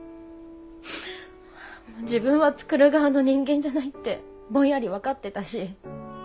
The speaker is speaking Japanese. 自分は作る側の人間じゃないってぼんやり分かってたし。